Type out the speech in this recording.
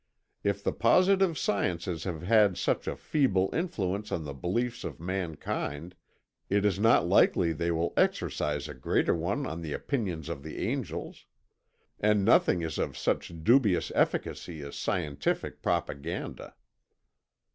If the positive sciences have had such a feeble influence on the beliefs of mankind, it is not likely they will exercise a greater one on the opinions of the angels, and nothing is of such dubious efficacy as scientific propaganda."